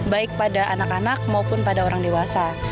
baik pada anak anak maupun pada orang dewasa